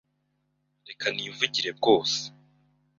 Reka nivugire bwose